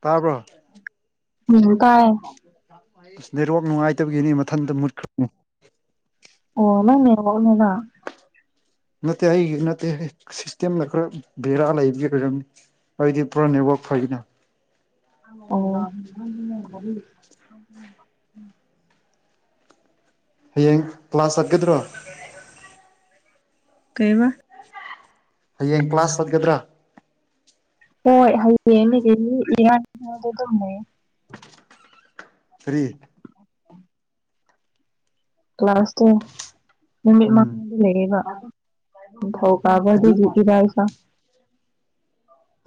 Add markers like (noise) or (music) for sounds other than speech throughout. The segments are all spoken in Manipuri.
ꯇꯥꯕ꯭ꯔꯣ ꯎꯝ ꯇꯥꯏ ꯅꯦꯠꯋꯥꯛ ꯅꯨꯡꯉꯥꯏꯇꯕꯒꯤꯅꯤ ꯃꯊꯟꯇ ꯃꯨꯠꯈ꯭ꯔ ꯑꯣ ꯅꯪ ꯅꯦꯠꯋꯥꯛꯅꯔ ꯅꯠꯇꯦ ꯑꯩꯒꯤ ꯅꯠꯇꯦꯍꯦ ꯁꯤꯁꯇꯦꯝꯗ ꯈꯔ ꯕꯦꯔꯥ ꯂꯩꯕꯒꯤ ꯑꯣꯏꯔꯝꯅꯤ ꯑꯩꯗꯤ ꯄꯨꯔꯥ ꯅꯦꯠꯋꯥꯛ ꯐꯩꯅ ꯑꯣ (inaudible) ꯍꯌꯦꯡ ꯀ꯭ꯂꯥꯁ ꯆꯠꯀꯗ꯭ꯔꯣ ꯀꯩꯕꯥ ꯍꯌꯦꯡ ꯀ꯭ꯂꯥꯁ ꯆꯠꯀꯗ꯭ꯔꯥ ꯍꯣꯏ ꯍꯌꯦꯡ (inaudible) ꯂꯩꯌꯦ ꯀꯔꯤ (inaudible) ꯀ꯭ꯂꯥꯁꯇꯣ ꯅꯨꯃꯤꯠ ꯎꯝ ꯃꯉꯥꯅꯤ ꯂꯩꯌꯦꯕ ꯅꯤꯡꯊꯧ ꯑꯗꯨ ꯀꯥꯕꯗꯒꯤ ꯏꯔꯥꯏꯐꯥꯎ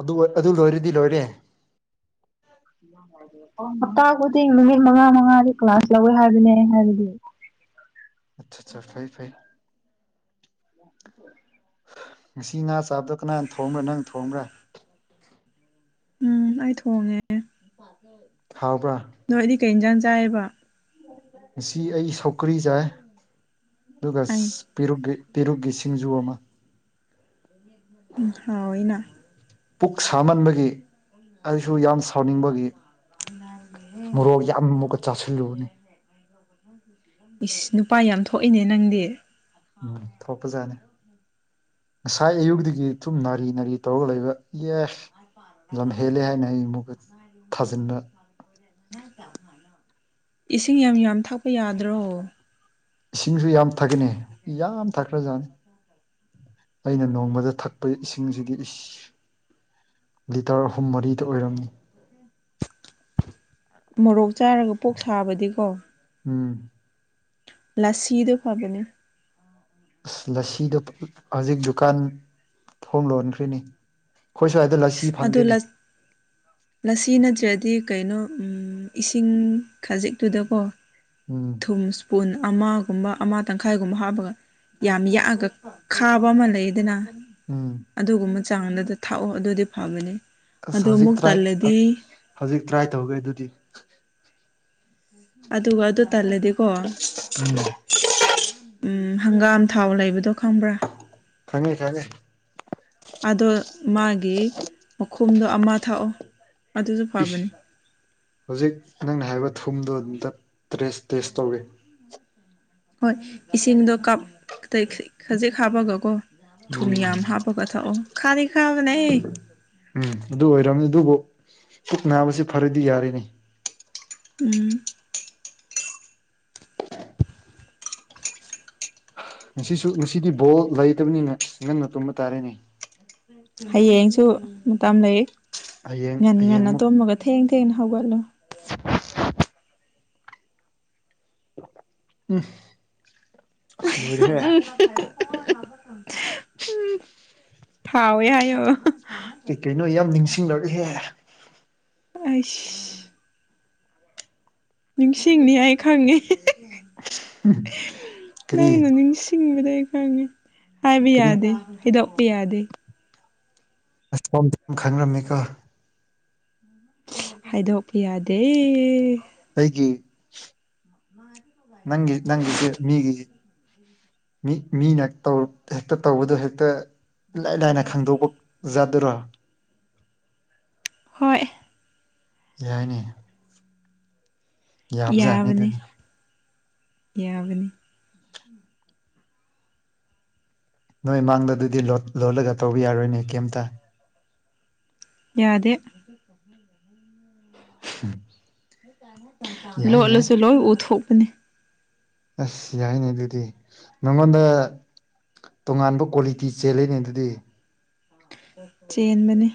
ꯑꯗꯨ ꯑꯗꯨ ꯂꯣꯏꯔꯗꯤ ꯂꯣꯏꯔꯦ ꯍꯞꯇꯥ ꯈꯨꯗꯤꯡ ꯅꯨꯃꯤꯠ ꯃꯉꯥ ꯃꯉꯥꯗꯤ ꯀ꯭ꯂꯥꯁ ꯂꯧꯋꯦ ꯍꯥꯏꯕꯅꯦ ꯑꯩ ꯍꯥꯏꯕꯗꯤ ꯑꯆꯥꯆꯥ ꯐꯩ ꯐꯩ (inaudible) ꯉꯁꯤ ꯉꯥ ꯆꯥꯕꯗꯣ ꯀꯅꯥꯅ ꯊꯣꯡꯕ꯭ꯔꯥ ꯅꯪ ꯊꯣꯡꯕ꯭ꯔꯥ ꯎꯝ ꯑꯩ ꯊꯣꯡꯉꯦ ꯍꯥꯎꯕ꯭ꯔꯥ ꯅꯣꯏꯗꯤ ꯀꯩ ꯏꯟꯖꯥꯡ ꯆꯥꯏꯌꯦꯕ ꯉꯁꯤ ꯑꯩ ꯁꯧꯒ꯭ꯔꯤ ꯆꯥꯏ ꯑꯗꯨꯒ ꯑꯩ ꯄꯦꯔꯨꯛꯒꯤ ꯄꯦꯔꯨꯛꯒꯤ ꯁꯤꯡꯖꯨ ꯑꯃ (inaudible) ꯎꯝ ꯍꯥꯎꯋꯤꯅ ꯄꯨꯛ ꯁꯥꯃꯟꯕꯒꯤ ꯑꯩꯁꯨ ꯌꯥꯝ ꯁꯥꯎꯅꯤꯡꯕꯒꯤ ꯃꯣꯔꯣꯛ ꯌꯥꯝ ꯃꯨꯛꯀ ꯆꯥꯁꯤꯜꯂꯨꯕꯅꯦ ꯏꯁ ꯅꯨꯄꯥ ꯌꯥꯝ ꯊꯣꯛꯑꯦꯅꯦ ꯅꯪꯗꯤ ꯎꯝ ꯊꯣꯛꯄꯖꯥꯟꯅꯦ ꯉꯁꯥꯏ ꯑꯌꯨꯛꯇꯒꯤ ꯊꯨꯝ ꯅꯥꯔꯤ-ꯅꯥꯔꯤ ꯇꯧꯔꯒ ꯂꯩꯕ ꯌꯦꯁ ꯂꯝ ꯍꯦꯜꯂꯦ ꯍꯥꯏꯅ ꯑꯩ ꯃꯨꯛꯀ ꯊꯥꯖꯤꯟꯕ ꯏꯁꯤꯡ ꯌꯥꯝ ꯌꯥꯝ ꯊꯛꯄ ꯌꯥꯗ꯭ꯔꯣ ꯏꯁꯤꯡꯁꯨ ꯌꯥꯝ ꯊꯛꯀꯅꯦ ꯌꯥꯝ ꯊꯛꯈ꯭ꯔꯖꯥꯟꯅꯦ ꯑꯩꯅ ꯅꯣꯡꯃꯗ ꯊꯛꯄ ꯏꯁꯤꯡꯖꯤꯗꯤ ꯏꯁ ꯂꯤꯇꯔ ꯑꯍꯨꯝ ꯃꯔꯤꯊ ꯑꯣꯏꯔꯝꯅꯤ ꯃꯣꯔꯣꯛ ꯆꯥꯔꯒ ꯄꯨꯛ ꯁꯥꯕꯗꯤꯀꯣ ꯎꯝ ꯂꯁꯤꯗꯨ ꯐꯕꯅꯦ ꯑꯁ ꯂꯁꯤꯗꯨ ꯍꯧꯖꯤꯛ ꯗꯨꯀꯥꯟ ꯊꯣꯡ ꯂꯣꯟꯈ꯭ꯔꯦꯅꯦ ꯈꯣꯏ ꯁ꯭ꯋꯥꯏꯗ ꯂꯁꯤ ꯑꯗꯣ ꯐꯪꯗꯦꯅꯦ ꯂꯁ ꯂꯁꯤ ꯅꯠꯇ꯭ꯔꯗꯤ ꯀꯩꯅꯣ ꯎꯝ ꯏꯁꯤꯡ ꯈꯖꯤꯛꯇꯨꯗꯀꯣ ꯎꯝ ꯊꯨꯝ ꯁ꯭ꯄꯨꯟ ꯑꯃꯒꯨꯝꯕ ꯑꯃ ꯇꯪꯈꯥꯏꯒꯨꯝꯕ ꯍꯥꯞꯄꯒ ꯌꯥꯝ ꯌꯥꯛꯑꯒ ꯈꯥꯕ ꯑꯃ ꯂꯩꯌꯦꯗꯅ ꯎꯝ ꯑꯗꯨꯒꯨꯝꯕ ꯆꯥꯡꯗꯨꯗ ꯊꯥꯛꯑꯣ ꯑꯗꯨꯗꯤ ꯐꯥꯕꯅꯤ ꯑꯁ ꯑꯗꯨ ꯍꯧꯖꯤꯛ ꯑꯃꯨꯛ ꯇ꯭ꯔꯥꯏ ꯇꯜꯂꯗꯤ ꯍꯧꯖꯤꯛ ꯇ꯭ꯔꯥꯏ ꯇꯧꯒꯦ ꯑꯗꯨꯗꯤ ꯑꯗꯨꯒ ꯑꯗꯨ ꯇꯜꯂꯗꯤꯀꯣ ꯎꯝ ꯎꯝ ꯍꯪꯒꯥꯝ ꯊꯥꯎ ꯂꯩꯕꯗꯣ ꯈꯪꯕ꯭ꯔꯥ ꯈꯪꯉꯦ ꯈꯪꯉꯦ ꯑꯗꯣ ꯃꯥꯒꯤ ꯃꯈꯨꯝꯗꯣ ꯑꯃ ꯊꯥꯛꯑꯣ ꯑꯗꯨꯖꯨ ꯏꯁ ꯐꯕꯅꯦ ꯍꯧꯖꯤꯛ ꯅꯪꯅ ꯍꯥꯏꯕ ꯊꯨꯝꯗꯣ ꯑꯗꯨꯝꯇ ꯇ꯭ꯔꯦꯁ ꯇꯦꯁ ꯇꯧꯒꯦ ꯍꯣꯏ ꯏꯁꯤꯡꯗꯣ ꯀꯥꯞ ꯇꯩ ꯈꯩ ꯈꯖꯤꯛ ꯍꯥꯞꯄꯒꯀꯣ ꯊꯨꯝ ꯎꯝ ꯌꯥꯝ ꯍꯥꯞꯄꯒ ꯊꯛꯑꯣ ꯈꯥꯗꯤ ꯈꯥꯕꯅꯦꯏ ꯎꯝ ꯑꯗꯨ ꯑꯣꯏꯔꯝꯅꯤ ꯑꯗꯨꯕꯨ ꯄꯨꯛ ꯅꯥꯕꯁꯤ ꯐꯔꯗꯤ ꯌꯥꯔꯦꯅꯦ ꯎꯝ ꯉꯁꯤꯁꯨ ꯉꯁꯤꯗꯤ ꯕꯣꯜ ꯂꯩꯇꯕꯅꯤꯅ ꯉꯟꯅ ꯇꯨꯝꯕ ꯇꯥꯔꯦꯅꯦ ꯍꯌꯦꯡꯁꯨ ꯃꯇꯝ ꯂꯩ ꯍꯌꯦꯡ ꯉꯟ ꯉꯟꯅ ꯍꯌꯦꯡꯃꯨꯛ ꯇꯨꯝꯃꯒ ꯊꯦꯡ ꯊꯦꯡꯅ ꯍꯧꯒꯠꯂꯣ (unintelligible) ꯂꯣꯏꯔꯦꯍꯦ ꯍꯥꯎꯋꯦ ꯍꯥꯏꯌꯣ ꯀꯩ ꯀꯩꯅꯣ ꯌꯥꯝ ꯅꯤꯡꯁꯤꯡꯂꯛꯑꯦꯍꯦ ꯑꯩꯁ ꯅꯤꯡꯁꯤꯡꯅꯤ ꯑꯩ ꯈꯪꯉꯦ ꯀꯔꯤ ꯅꯪꯅ ꯅꯤꯡ ꯁꯤꯡꯕꯗꯣ ꯑꯩ ꯈꯪꯉꯦ ꯍꯥꯏꯕ ꯀꯔꯤ ꯌꯥꯗꯦ ꯍꯥꯏꯗꯣꯛꯄ ꯌꯥꯗꯦ ꯑꯁꯣꯝꯗꯤ (inaudible) ꯈꯪꯔꯝꯃꯤꯀꯣ ꯍꯥꯏꯗꯣꯛꯄ ꯌꯥꯗꯦ ꯑꯩꯒꯤ ꯅꯪꯒꯤ ꯅꯪꯒꯤꯁꯦ ꯃꯤꯒꯤ ꯃꯤ ꯃꯤꯅ ꯇꯧ ꯍꯦꯛꯇ ꯇꯧꯕꯗꯣ ꯍꯦꯛꯇ ꯏꯂꯥꯏ ꯂꯥꯏꯅ ꯈꯪꯗꯣꯛꯄ ꯑꯣꯖꯥꯗꯨꯔꯣ ꯍꯣꯏ ꯌꯥꯏꯅꯦ ꯌꯥꯕꯖꯥꯠꯅꯤ ꯌꯥꯕꯅꯤ ꯑꯗꯨꯗꯤ ꯌꯥꯕꯅꯤ ꯅꯣꯏ ꯃꯥꯡꯗ ꯑꯗꯨꯗꯤ ꯂꫭꯜ ꯂꯣꯜꯂꯒ ꯇꯧꯕ ꯌꯥꯔꯣꯏꯅꯦ ꯀꯩꯝꯇ꯫ ꯌꯥꯗꯦ꯫ (inaudible) (inaudible) ꯌꯥꯏ ꯌꯥꯏ ꯂꯣꯠꯂꯁꯨ ꯂꯣꯏ ꯎꯠꯊꯣꯛꯄꯅꯦ ꯑꯁ ꯌꯥꯏꯅꯦ ꯑꯗꯨꯗꯤ ꯅꯉꯣꯟꯗ ꯇꯣꯉꯥꯟꯕ ꯀ꯭ꯋꯥꯂꯤꯇꯤ ꯆꯦꯜꯂꯦꯅꯦ ꯑꯗꯨꯗꯤ ꯆꯦꯟꯕꯅꯦ꯫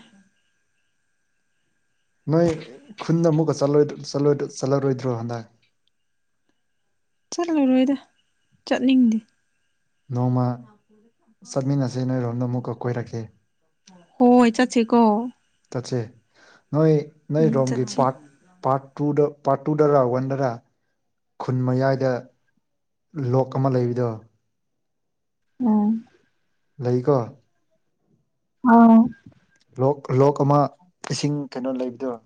ꯅꯣꯏ ꯈꯨꯟꯗ ꯑꯃꯨꯛꯀ ꯆꯠꯂꯔꫭꯏꯗ꯭ꯔꫭ ꯆꯠꯂꯔꯣꯏꯗ꯭ꯔꯣ ꯆꯠꯂꯔꯣꯏꯗ꯭ꯔꯣ ꯍꯟꯗꯥꯛ ꯆꯠꯂꯔꯣꯏꯗ ꯆꯠꯅꯤꯡꯗꯦ꯫ ꯅꯣꯡꯃ ꯆꯠꯃꯤꯟꯅꯁꯦ (unintelligible) ꯅꯣꯏꯔꯣꯝꯗ ꯑꯃꯨꯛꯀ ꯀꯣꯏꯔꯛꯀꯦ ꯍꫭꯏ ꯆꯠꯁꯦꯀꯣ ꯆꯠꯁꯦ ꯅꯣꯏ ꯎꯝ ꯅꯣꯏꯔꯣꯝꯒꯤ ꯆꯠꯁꯤ ꯄꯥꯔꯠ ꯄꯥꯔꯠ ꯇꯨꯗ ꯄꯥꯔꯠ ꯇꯨꯗ (unintelligible) ꯈꯨꯟ ꯃꯌꯥꯏꯗ ꯂꯣꯛ ꯑꯃ ꯂꯩꯕꯗꯣ꯫ ꯎꯝ꯫ ꯂꯩꯀꯣ ꯑꯥꯎ ꯂꯣꯛ ꯂꯣꯛ ꯑꯃ ꯏꯁꯤꯡ ꯀꯩꯅꯣ ꯂꯩꯕꯗꫭ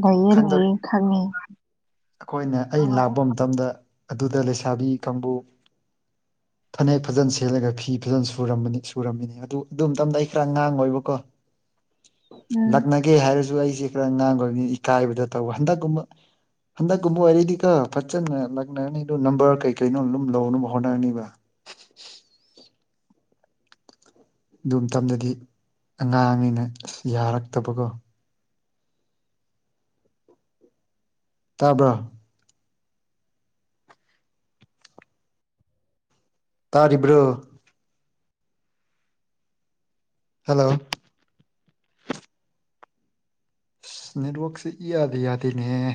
ꯂꯩꯌꯦ ꯈꯪꯗ ꯂꯩꯌꯦ ꯈꯪꯉꯦ꯫ ꯑꯩꯈꯣꯏꯅ ꯑꯩ ꯎꯝ ꯂꯥꯛꯄ ꯃꯇꯝꯗ ꯑꯗꯨꯗ ꯂꯩꯁꯥꯕꯤ ꯀꯥꯡꯕꯨ ꯐꯅꯦꯛ ꯐꯖꯅ ꯁꯦꯂꯒ ꯐꯤ ꯐꯖꯅ ꯁꯨꯔꯝꯕꯅꯤ ꯁꯨꯔꯝꯃꯤꯅꯤ ꯑꯗꯨ ꯑꯗꯨ ꯃꯇꯝꯗ ꯑꯩ ꯈꯔ ꯉꯥꯡꯉꯣꯏꯕꯀꯣ ꯂꯛꯅꯒꯦ ꯍꯥꯏꯔꯁꯨ ꯑꯩꯁꯦ ꯈꯔ ꯑꯉꯥꯡ ꯑꫭꯏꯕꯅꯤ ꯏꯀꯥꯏꯕꯗ ꯇꯧꯕ ꯍꯟꯗꯛꯀꯨꯝꯕ ꯍꯟꯗꯛꯀꯨꯝꯕ ꯑꫭꯏꯔꯗꯤꯀꫭ ꯐꯖꯅ ꯂꯥꯛꯅꯔꯅꯤꯗꯨ ꯅꯝꯕꯔ ꯀꯩ ꯀꯩꯅꯣ ꯑꯗꯨꯝ ꯂꯧꯅꯕ ꯍꯣꯠꯅꯔꯅꯤꯕ ꯑꯗꯨ ꯃꯇꯝꯗꯗꯤ ꯑꯉꯥꯡꯅꯤꯅ ꯌꯥꯔꯛꯇꯕꯀꯣ꯫ ꯇꯥꯕ꯭ꯔꯣ ꯇꯥꯔꯤꯕ꯭ꯔꫭ ꯍꯜꯂꯣ ꯏꯁ ꯅꯦꯠꯋꯥꯛꯁꯦ ꯏꯌꯥꯗ ꯌꯥꯗꯦꯅꯦꯍꯦ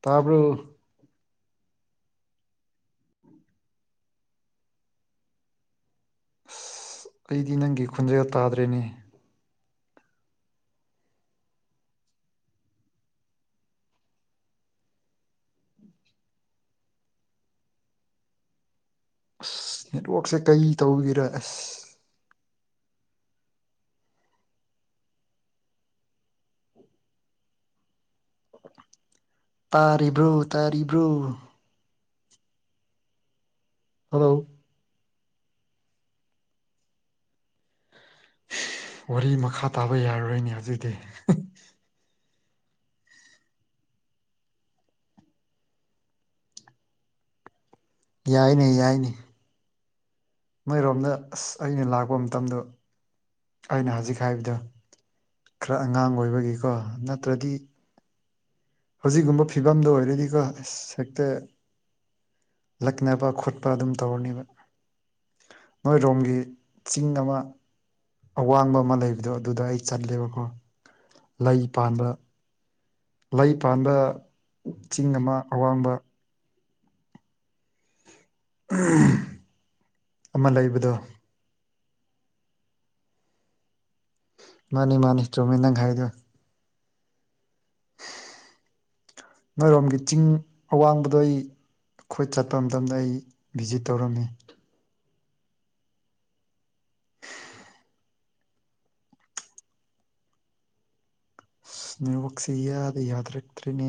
ꯇꯥꯕ꯭ꯔꫭ ꯑꯁ ꯑꯩꯗꯤ ꯅꯪꯒꯤ ꯈꯣꯟꯖꯦꯜ ꯇꯥꯗ꯭ꯔꯦꯅꯦ꯫ ꯑꯁ ꯅꯦꯠꯋꯥꯛꯁꯦ ꯀꯩ ꯇꯧꯒꯦꯔ ꯑꯁ ꯇꯥꯔꯤꯕ꯭ꯔꯣ ꯇꯥꯔꯤꯕ꯭ꯔꯣ ꯍꯜꯂꯣ ꯋꯥꯔꯤ ꯃꯈꯥ ꯇꯥꯕ ꯌꯥꯔꯔꯣꯏꯅꯦ ꯍꯧꯖꯤꯛꯇꯤ ꯌꯥꯏꯅꯦ ꯌꯥꯏꯅꯦ ꯃꯣꯏꯔꯣꯝꯗ ꯑꯁ ꯑꯩꯅ ꯂꯥꯛꯄ ꯃꯇꯝꯗꫭ ꯑꯩꯅ ꯍꯧꯖꯤꯛ ꯍꯥꯏꯕꯗꯣ ꯈꯔ ꯑꯉꯥꯡ ꯑꯣꯏꯕꯒꯤꯀꯣ ꯅꯠꯇ꯭ꯔꯗꯤ ꯍꯧꯖꯤꯛꯒꯨꯝꯕ ꯐꯤꯕꯝꯗꫭ ꯑꯣꯏꯔꯗꯤꯀꫭ ꯑꯁ ꯍꯦꯛꯇ ꯂꯛꯅꯕ ꯈꯣꯠꯄ ꯑꯗꯨꯝ ꯇꯧꯔꯅꯦꯕ ꯅꯣꯢꯔꯣꯝꯒꯤ ꯆꯤꯡ ꯑꯃ ꯑꯋꯥꯡꯕ ꯑꯃ ꯂꯩꯕꯗꯣ ꯑꯗꯨꯗ ꯑꯩ ꯆꯠꯂꯦꯕꯀꯣ ꯂꯩ ꯄꯥꯟꯕ ꯂꯩ ꯄꯥꯟꯕ ꯆꯤꯡ ꯑꯃ ꯑꯋꯥꯡꯕ ꯑꯃ ꯂꯩꯕꯗꯣ꯫ ꯃꯥꯅꯤ ꯃꯥꯅꯤ ꯆꯨꯝꯃꯤ ꯅꯪ ꯍꯥꯏꯔꯤꯗꯣ ꯅꯣꯏꯔꯣꯝꯒꯤ ꯆꯤꯡ ꯑꯋꯥꯡꯕꯗꯣ ꯑꯩ ꯈꯣꯏ ꯆꯠꯄ ꯃꯇꯝꯗ ꯑꯩ ꯚꯤꯖꯤꯠ ꯇꯧꯔꯝꯃꯤ ꯑꯁ ꯅꯋꯥꯛꯁꯦ ꯢꯌꯥꯗ ꯌꯥꯗꯔꯛꯇ꯭ꯔꯤꯅꯦ